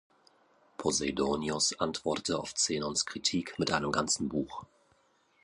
Poseidonios antwortete auf Zenons Kritik mit einem ganzen Buch.